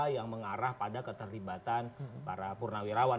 yang mengarah pada keterlibatan para purnawirawan